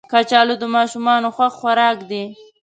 کچالو د ماشومانو خوښ خوراک دی